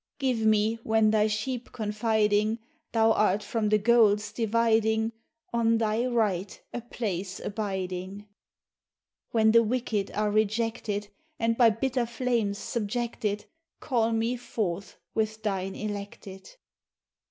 Give me, when Thy sheep confiding Thou art from the goals dividing. On Thy right a place abiding! When the wicked are rejected, And by bitter flames subjected, Call me forth with Thine elected!